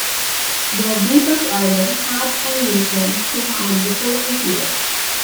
Their debut album, "Hearts and Unicorns", came out the following year.